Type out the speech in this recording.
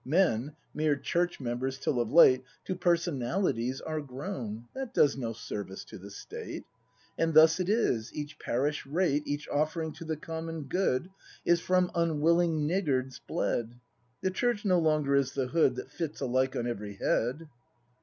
Men, mere Church members till of late, To Personalities are grown. That does no service to the State; And thus it is, each Parish rate Each offering to the common good. Is from unwilling niggards bled; The Church no longer is the hood That fits alike on every head.